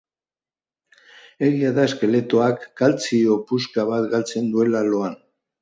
egia da eskeletoak kaltzio puska bat galtzen duela loan.